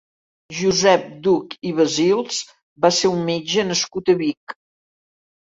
Josep Duch i Basils va ser un metge nascut a Vic.